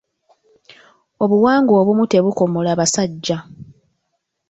Obuwangwa obumu tebukomola basajja.